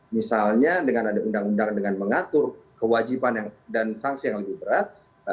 misalnya dengan ada undang undang dengan mengatur kewajiban dan sanksi yang lebih berat